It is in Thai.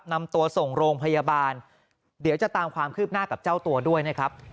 นำตัวส่งโรงพยาบาลเดี๋ยวจะตามความคืบหน้ากับเจ้าตัวด้วยนะครับ